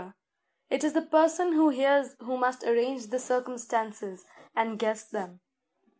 It is the person who hears who must arrange the circumstances, and guess them.